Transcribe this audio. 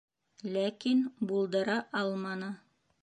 Ләкин булдыра алманы.